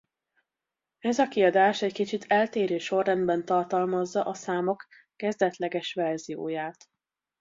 Ez a kiadás egy kicsit eltérő sorrendben tartalmazza a számok kezdetleges verzióját.